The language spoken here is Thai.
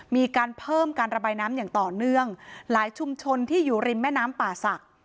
มีการเพิ่มการระบายน้ำอย่างต่อเนื่องหลายชุมชนที่อยู่ริมแม่น้ำป่าศักดิ์